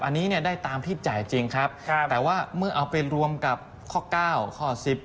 อันนี้เนี่ยได้ตามที่จ่ายจริงครับแต่ว่าเมื่อเอาไปรวมกับข้อ๙ข้อ๑๐